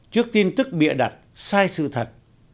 trước tin tức bịa đặt sai sự thật